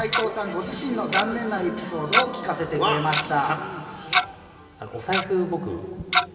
ご自身の残念なエピソードを聞かせてくれました。